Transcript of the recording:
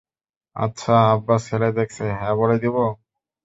আচ্ছা, আব্বা ছেলে দেখছে, হ্যাঁ বলে দিবো?